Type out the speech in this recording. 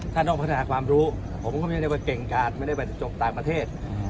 ต้องพัฒนาความรู้ผมก็ไม่ได้ว่าเก่งกาดไม่ได้ไปจบต่างประเทศ